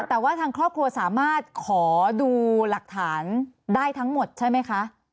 แต่ว่าทางครอบครัวสามารถขอดูหลักฐานได้ทั้งหมดใช่ไหมคะ